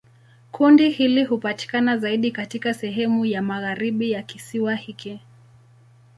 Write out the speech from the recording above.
Kundi hili hupatikana zaidi katika sehemu ya magharibi ya kisiwa hiki.